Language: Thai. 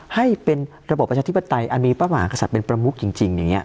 ให้เป็นระบบประชาธิปไตยอันมีพระมหากษัตริย์เป็นประมุกจริงอย่างนี้